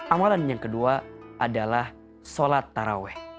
amalan yang kedua adalah sholat taraweh